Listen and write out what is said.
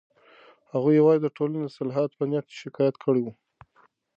هغې یوازې د ټولنې د اصلاح په نیت شکایت کړی و.